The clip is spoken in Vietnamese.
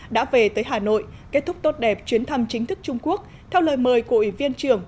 đã về tới hà nội kết thúc tốt đẹp chuyến thăm chính thức trung quốc theo lời mời của ủy viên trưởng